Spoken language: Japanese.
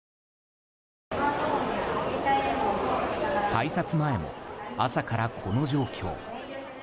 改札前も朝からこの状況。